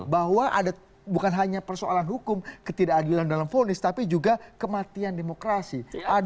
bahwa ada bukan hanya persoalan hukum ketidakadilan dalam fonis tapi juga kematian demokrasi